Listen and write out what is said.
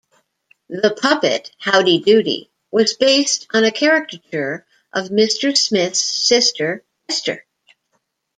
The puppet, Howdy Doody was based on a caricature of Mr. Smith's sister, Esther.